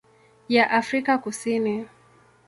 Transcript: ya Afrika Kusini.